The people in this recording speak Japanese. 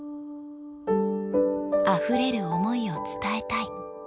あふれる思いを伝えたい。